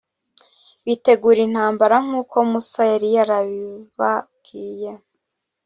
bitegura intambara, nk’uko musa yari yarabibabwiye.